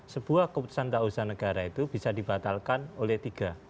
sebuah keputusan tak usaha negara itu bisa dibatalkan oleh tiga